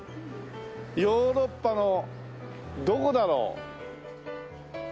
ヨーロッパのどこだろう？